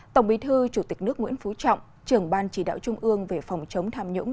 tổng bí thư chủ tịch nước nguyễn phú trọng trưởng ban chỉ đạo trung ương về phòng chống tham nhũng